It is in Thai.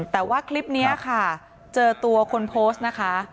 แต่ว่าคลิปนี้ค่ะเจอตัวคนโพสต์นะคะ